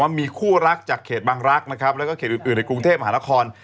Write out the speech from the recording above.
มีคู่รักจากเขตบางรักษ์นะครับแล้วก็เขตอื่นในกรุงเทพมหานคร